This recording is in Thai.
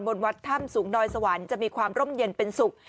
วัดถ้ำสูงดอยสวรรค์จะมีความร่มเย็นเป็นสุข